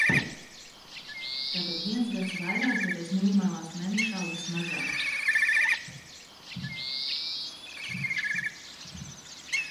Tātad viens gads vairāk, toties minimālās mēnešalgas mazāk.